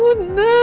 umurku udah nanya